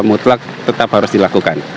mutlak tetap harus dilakukan